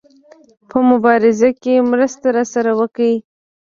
په مبارزه کې مرسته راسره وکړي.